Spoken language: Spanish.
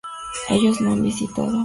Ellos no han visitado